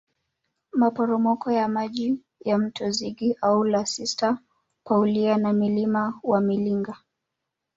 Maporomoko ya maji ya Mto Zigi Ua la Sista Paulia na Mlima wa Mlinga